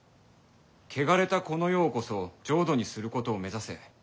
「汚れたこの世をこそ浄土にすることを目指せ」。